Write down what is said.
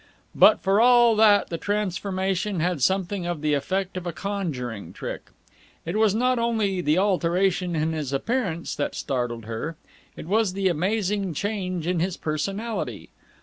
But for all that the transformation had something of the effect of a conjuring trick. It was not only the alteration in his appearance that startled her: it was the amazing change in his personality.